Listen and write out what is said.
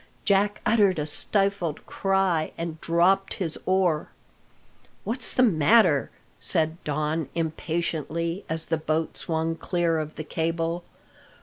Jack uttered a stifled cry and dropped his oar. "What's the matter?" said Don impatiently, as the boat swung clear of the cable.